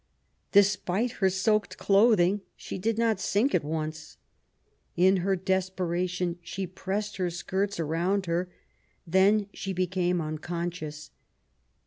Despite her soaked clothing, she did not sink at once. In her desperation she pressed her skirts around her ; then she became unconscious.